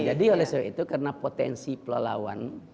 jadi oleh sebab itu karena potensi pelawan